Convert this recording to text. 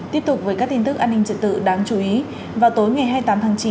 tiếp tục với các tin tức an ninh trật tự đáng chú ý vào tối ngày hai mươi tám tháng chín